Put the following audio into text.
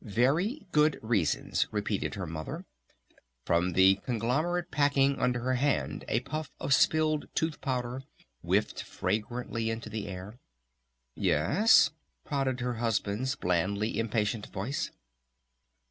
"Very good reasons," repeated her Mother. From the conglomerate packing under her hand a puff of spilled tooth powder whiffed fragrantly into the air. "Yes?" prodded her husband's blandly impatient voice.